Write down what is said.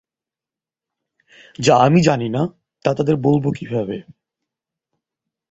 যা আমি জানি না, তা তাদের বলব কীভাবে!